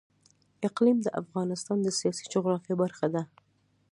اقلیم د افغانستان د سیاسي جغرافیه برخه ده.